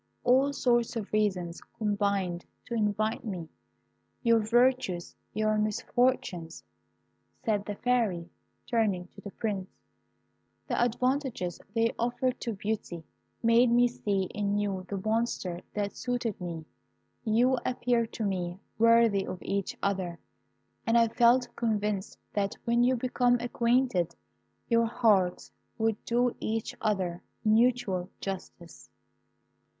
All sorts of reasons combined to invite me. Your virtues, your misfortunes, (said the Fairy, turning to the Prince), the advantages they offered to Beauty made me see in you the Monster that suited me. You appeared to me worthy of each other, and I felt convinced that when you became acquainted, your hearts would do each other mutual justice.